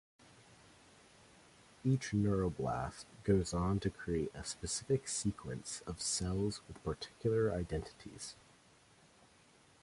Each neuroblast goes on to create a specific sequence of cells with particular identities.